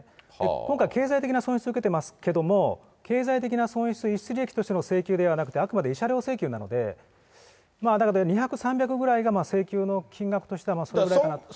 今回、経済的な損失を受けてますけども、経済的な損失、請求ではなくて、あくまで慰謝料請求なので、だから２００、３００ぐらいが請求の金額としてはそれくらいかなと。